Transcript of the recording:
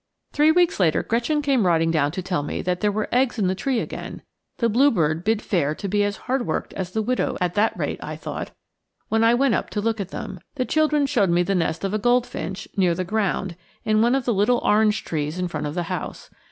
Three weeks later Gretchen came riding down to tell me that there were eggs in the tree again. The bluebird bid fair to be as hardworked as the widow, at that rate, I thought, when I went up to look at them. The children showed me the nest of a goldfinch, near the ground, in one of the little orange trees in front of the house.